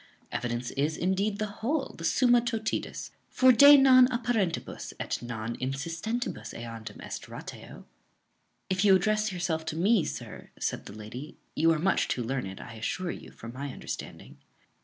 Evidence is, indeed, the whole, the summa totidis, for de non apparentibus et non insistentibus eandem est ratio." "If you address yourself to me, sir," said the lady, "you are much too learned, I assure you, for my understanding."